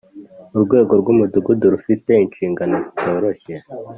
urwego rw’umudugudu rufite inshingano zitoroshye